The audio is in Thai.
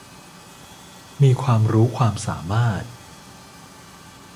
มีความรู้ความสามารถ